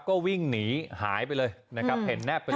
ก็วิ่งหนีหายไปเลยนะครับเห็นแนบไปเลย